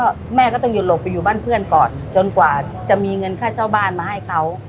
ก็แม่ก็ต้องหยุดหลบไปอยู่บ้านเพื่อนก่อนจนกว่าจะมีเงินค่าเช่าบ้านมาให้เขา